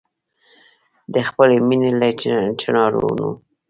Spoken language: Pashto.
د خپلي مېني له چنارونو